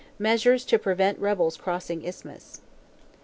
Measures to prevent rebels crossing Isthmus.